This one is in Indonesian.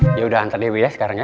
kita ntar dewi ya sekarang ya